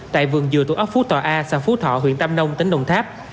tại vườn dừa thuộc ấp phú tòa a xã phú thọ huyện tam nông tỉnh đồng tháp